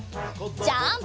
ジャンプ！